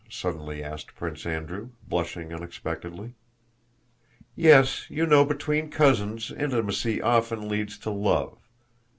suddenly asked Prince Andrew, blushing unexpectedly. "Yes, you know between cousins intimacy often leads to love.